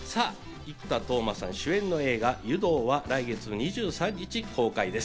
生田斗真さん主演の映画『湯道』は来月２３日公開です。